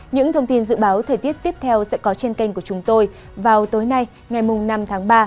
những thông tin dự báo thời tiết tiếp theo sẽ có trên kênh của chúng tôi vào tối nay ngày năm tháng ba